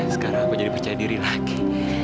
sekarang aku jadi percaya diri lagi